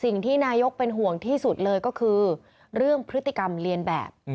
สิ่งที่นายกเป็นห่วงที่สุดเลยก็คือเรื่องพฤติกรรมเรียนแบบ